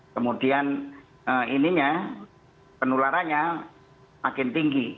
kemudian ininya penularannya makin tinggi